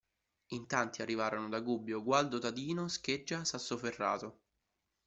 In tanti arrivarono da Gubbio, Gualdo Tadino, Scheggia, Sassoferrato.